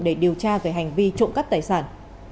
để điều tra về hành vi trộn cắt tài sản